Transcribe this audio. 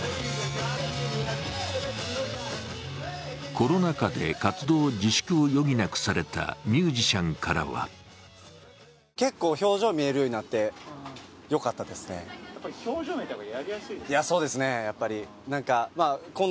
コロナ禍で活動自粛を余儀なくされたミュージシャンからはマスクを外さなかった若者たち。